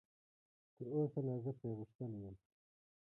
تراوسه لا زه پرې غښتلی یم.